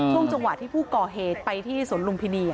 ช่วงจังหวะที่ผู้ก่อเหตุไปที่สวนลุมพินี